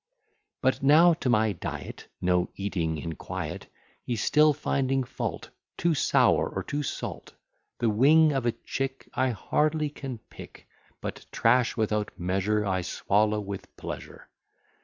But now to my diet; No eating in quiet, He's still finding fault, Too sour or too salt: The wing of a chick I hardly can pick: But trash without measure I swallow with pleasure.